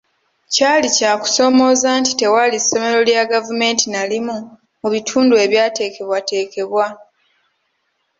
Kyali kya kusomooza nti tewaali ssomero lya gavumenti na limu mu bitundu ebyateekebwateekebwa.